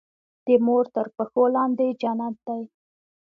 د مور تر پښو لاندي جنت دی.